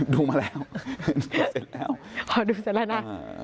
ดูมาแล้วเสร็จแล้วพอดูเสร็จแล้วนะ